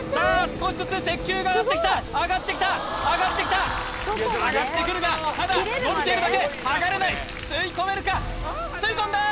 少しずつ鉄球が上がってきた上がってきた上がってきた上がってくるがただのびているだけ剥がれない吸い込めるか吸い込んだ！